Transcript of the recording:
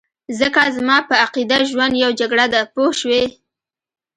ځکه زما په عقیده ژوند یو جګړه ده پوه شوې!.